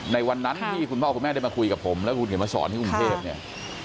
ในวันนั้นที่คุณพ่อคุณแม่ได้มาคุยกับผมแล้วคุณเขียนมาสอนที่กรุงเทพเนี่ย